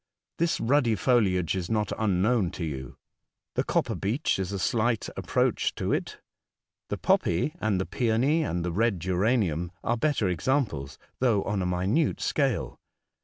This ruddy foliage is not unknown to you. The copper beech is a slight approach to it, the poppy, and the peony, and the red geranium are better examples though on a minute scale.